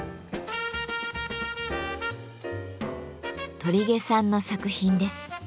鳥毛さんの作品です。